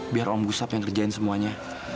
biar om busap yang kerjain semuanya